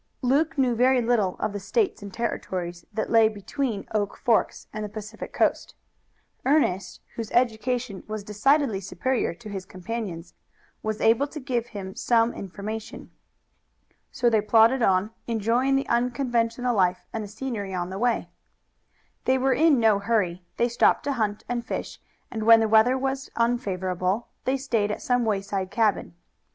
Luke knew very little of the States and Territories that lay between Oak Forks and the Pacific Coast. Ernest, whose education was decidedly superior to his companion's, was able to give him some information. So they plodded on, enjoying the unconventional life and the scenery on the way. They were in no hurry. They stopped to hunt and fish, and when the weather was unfavorable they stayed at some wayside cabin.